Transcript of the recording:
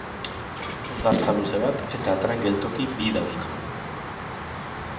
Hondartza luze bat eta tren-geltoki bi dauzka.